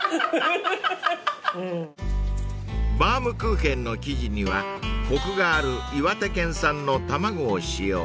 ［バウムクーヘンの生地にはコクがある岩手県産の卵を使用］